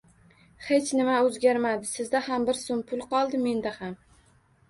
Hech nima o’zgarmadi. Sizda ham bir so’m pul qoldi, menda ham.